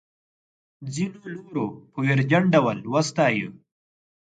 ځینو نورو په ویرجن ډول وستایه.